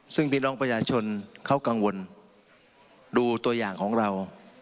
ซึ่งพี่น้องประชาชนเขากังวลดูตัวอย่างของเรา